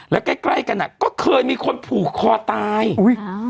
แล้วใกล้ใกล้กันอ่ะก็เคยมีคนผูกคอตายอุ้ยฮะ